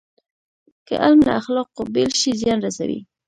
که علم له اخلاقو بېل شي، زیان رسوي.